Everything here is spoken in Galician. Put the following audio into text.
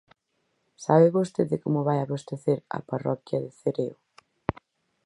Sabe vostede como vai abastecer a parroquia de Cereo?